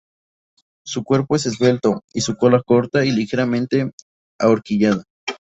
Su cuerpo es esbelto y su cola corta y ligeramente ahorquillada.